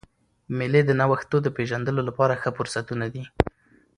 مېلې د نوښتو د پېژندلو له پاره ښه فرصتونه دي.